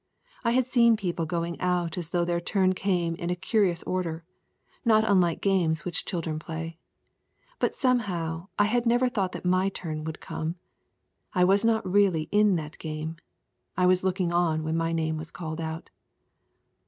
I had seen people going out as though their turn came in a curious order, not unlike games which children play. But somehow I never thought that my turn would come. I was not really in that game. I was looking on when my name was called out.